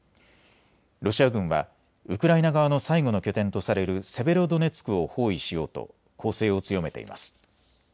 ロシア軍はウクライナ側の最後の拠点とされるセベロドネツクを包囲しようと攻勢を強めています。